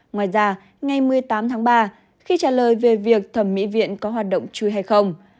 ngoài ra ngày một mươi tám tháng ba khi trả lời về việc thẩm mỹ viện có hoạt động chui hay không